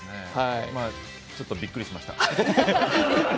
ちょっとびっくりしましたね。